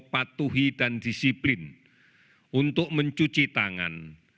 patuhi dan disiplin untuk mencuci tangan